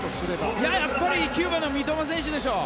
やっぱり９番の三笘選手でしょ。